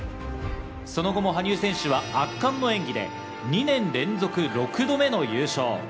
その後も羽生選手は圧巻の演技で２年連続６度目の優勝。